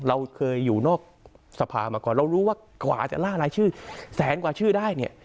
เราเคยอยู่นอกสภามาก่อนเรารู้ว่ากว่าจะล่ารายชื่อแสนกว่าชื่อได้เนี่ย